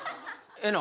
ええの？